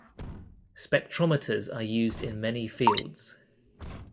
Spectrometers are used in many fields.